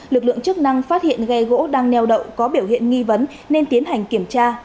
lực lượng chức năng phát hiện ghe gỗ đang neo đậu có biểu hiện nghi vấn nên tiến hành kiểm tra